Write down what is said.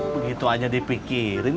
begitu aja dipikirin